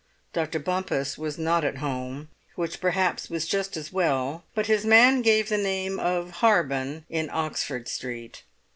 Dr. Bompas was not at home, which perhaps was just as well but his man gave the name of Harben, in Oxford Street.